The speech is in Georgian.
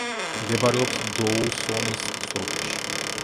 მდებარეობს დოუსონის სრუტეში.